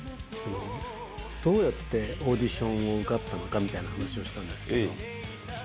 どうやってオーディションを受かったかみたいな話をしたんですけど。